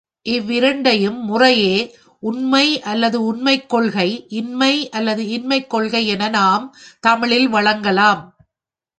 இவ்விரண்டையும் முறையே, உண்மை அல்லது உண்மைக் கொள்கை, இன்மை அல்லது இன்மைக் கொள்கை என நாம் தமிழில் வழங்கலாம்.